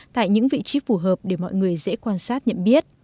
tại những vị trí phù hợp để mọi người dễ quan sát nhận biết